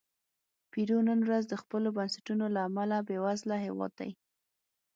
پیرو نن ورځ د خپلو بنسټونو له امله بېوزله هېواد دی.